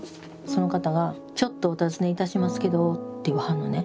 その方が「ちょっとお尋ねいたしますけど」って言わはんのね。